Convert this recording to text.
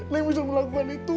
neng bisa melakukan itu